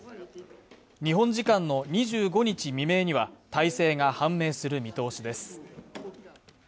日本時間の２５日未明には大勢が判明する見通しです。